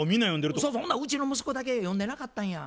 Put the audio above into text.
そうそうほんならうちの息子だけ読んでなかったんや。